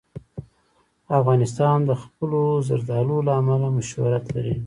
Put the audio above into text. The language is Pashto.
افغانستان د خپلو زردالو له امله شهرت لري.